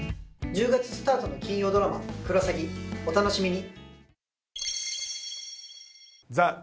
１０月スタートの金曜ドラマ「クロザキ」お楽しみに。